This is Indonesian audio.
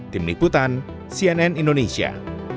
tim liputan cnn indonesia